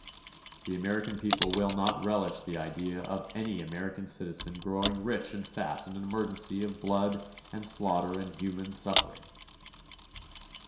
The American people will not relish the idea of any American citizen growing rich and fat in an emergency of blood and slaughter and human suffering.